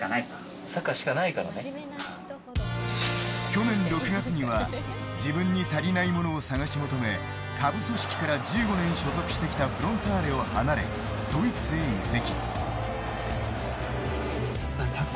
去年６月には自分に足りないものを探し求め下部組織から１５年所属してきたフロンターレを離れドイツへ移籍。